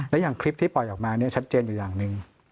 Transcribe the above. และอย่างคลิปที่ปล่อยออกมาชัดเจนอยู่อย่างหนึ่ง